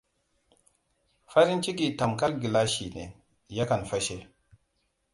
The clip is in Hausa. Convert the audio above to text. Farinciki tamkar gilashi ne: ya kan fashe.